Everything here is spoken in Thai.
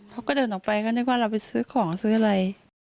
ไปซื้อของซื้ออะไร